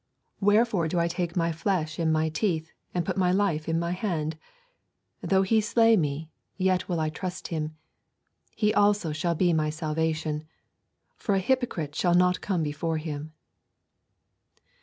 Wherefore do I take my flesh in my teeth and put my life in my hand? Though He slay me, yet will I trust in Him. He also shall be my salvation; for an hypocrite shall not come before Him.'